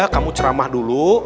kamu ceramah dulu